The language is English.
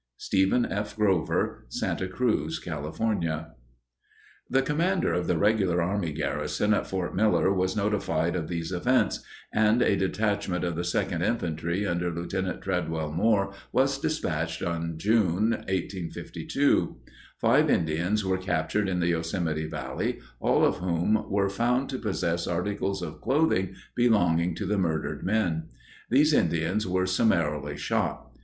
Stephen F. Grover Santa Cruz, California The commander of the regular army garrison at Fort Miller was notified of these events, and a detachment of the 2d Infantry under Lieutenant Tredwell Moore was dispatched in June, 1852. Five Indians were captured in the Yosemite Valley, all of whom were found to possess articles of clothing belonging to the murdered men. These Indians were summarily shot.